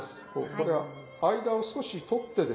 これは間を少し取ってですね。